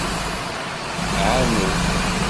Ɛaned.